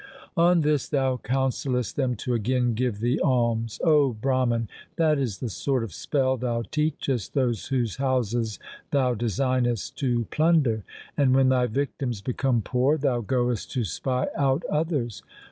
On 72 THE SIKH RELIGION this thou counsellest them to again give thee alms. O Brahman, that is the sort of spell thou teachest those whose houses thou designest to plunder. And when thy victims become poor, thou goest to spy out others.